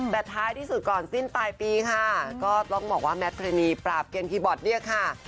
แต่ท้ายที่สุดก่อนสิ้นปลายปีค่ะก็ต้องบอกว่าแมทเพณีปราบเกณฑ์คีย์บอร์ดเนี่ยค่ะ